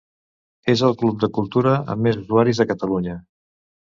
És el club de cultura amb més usuaris de Catalunya.